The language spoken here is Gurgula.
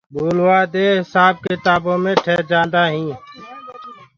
ٻولوآ ڪي بآد هسآب ڪتآبو مي ٺيجآندآئين اور پڇي